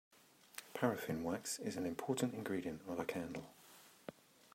Parrafin wax is an important ingredient of a candle.